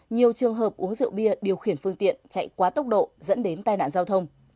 nhiều trường hợp uống rượu bia điều khiển phương tiện chạy quá tốc độ dẫn đến tai nạn giao thông